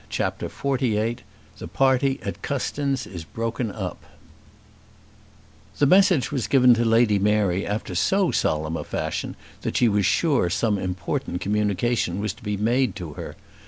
CHAPTER XLVIII The Party at Custins Is Broken Up The message was given to Lady Mary after so solemn a fashion that she was sure some important communication was to be made to her.